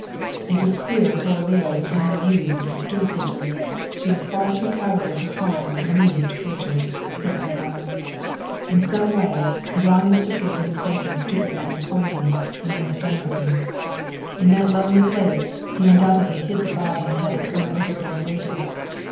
"It is clear poor Leah was only used as a stool pigeon; she is far too cowardly to harm the meanest creature," said Atwater. "In some way, Braun must have given Clayton a stupefying poison, and then strangled him. "In that lonely place, he undoubtedly hid the body and had it thrown overboard later.